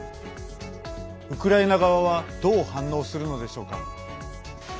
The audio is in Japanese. ウクライナ側はどう反応するのでしょうか。